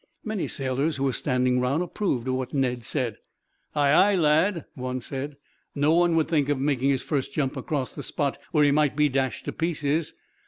Many sailors who were standing round approved of what Ned said. "Aye, aye, lad," one said, "no one would think of making his first jump across the spot where he might be dashed to pieces.